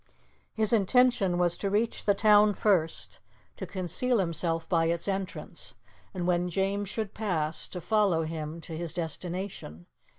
His intention was to reach the town first, to conceal himself by its entrance, and when James should pass, to follow him to his destination.